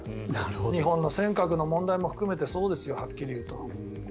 日本の尖閣の問題も含めてそうですよ、はっきり言うと。